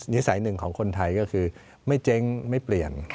นิสัยหนึ่งของคนไทยก็คือไม่เจ๊งไม่เปลี่ยน